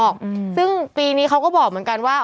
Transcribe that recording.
คือนี้เขาก็บอกเหมือนกันว่า